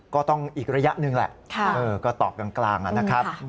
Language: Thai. ก็ต้องอีกระยะหนึ่งแหละก็ตอบกลางนะครับ